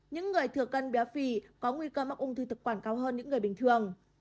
những người thừa cân béo phì có nguy cơ mắc ung thư thực quản cao hơn những người bình thường